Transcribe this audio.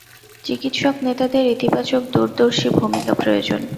চিকিৎসক নেতাদের ইতিবাচক দূরদর্শী ভূমিকা প্রয়োজন।